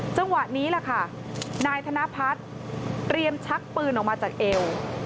จังหวะนี้แหละค่ะนายธนพัฒน์เตรียมชักปืนออกมาจากเอว